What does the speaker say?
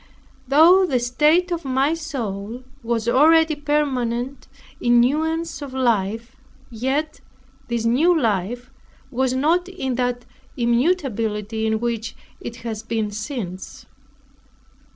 Though the state of my soul was already permanent in newness of life; yet this new life was not in that immutability in which it has been since.